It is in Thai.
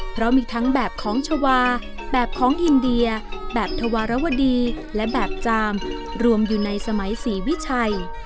เพราะมีทั้งแบบของชาวาแบบของอินเดียแบบธวารวดีและแบบจามรวมอยู่ในสมัยศรีวิชัย